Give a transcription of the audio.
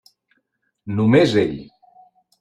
Només ell.